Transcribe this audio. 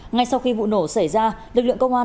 ngay sau khi vụ nổ xảy ra lực lượng công an